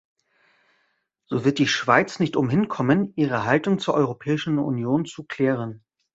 So wird die Schweiz nicht umhin kommen, ihre Haltung zur Europäischen Union zu klären.